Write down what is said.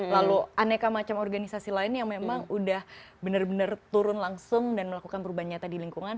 lalu aneka macam organisasi lain yang memang udah bener bener turun langsung dan melakukan perubahan nyata di lingkungan